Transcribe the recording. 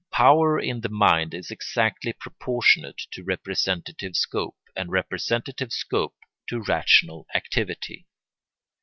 Power in the mind is exactly proportionate to representative scope, and representative scope to rational activity.